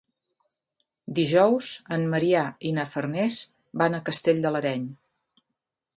Dijous en Maria i na Farners van a Castell de l'Areny.